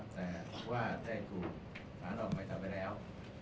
แต่ว่าได้คุณภาระออกหมายทำไปแล้ว